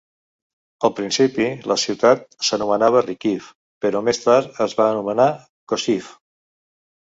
Al principi, la ciutat s'anomenava Rykiv però més tard es va anomenar Kosiv.